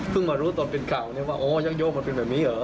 เพิ่งมารู้ตอนเป็นข่าวนี้ว่ายักษ์ยกมันเป็นแบบนี้เหรอ